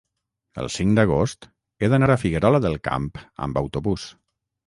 el cinc d'agost he d'anar a Figuerola del Camp amb autobús.